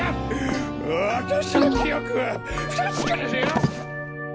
私の記憶は確かですよ。